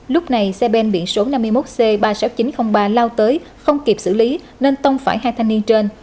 lúc này xe bên biển số năm mươi một c ba mươi sáu nghìn chín trăm linh ba lao tới không kịp xử lý nên tông phải hai thanh niên trên